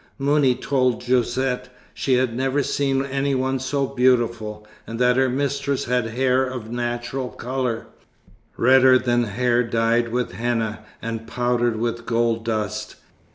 Mouni told Josette she had never seen any one so beautiful, and that her mistress had hair of a natural colour, redder than hair dyed with henna and powdered with gold dust.